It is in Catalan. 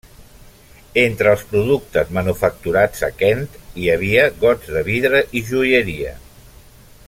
Entre els productes manufacturats a Kent hi havia gots de vidre i joieria.